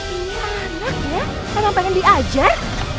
ini anaknya memang pengen diajar